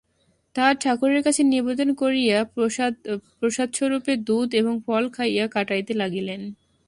তাঁহার ঠাকুরের কাছে নিবেদন করিয়া প্রসাদস্বরূপে দুধ এবং ফল খাইয়া কাটাইতে লাগিলেন।